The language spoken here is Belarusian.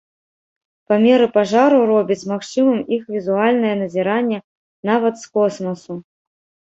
Памеры пажараў робяць магчымым іх візуальнае назіранне нават з космасу.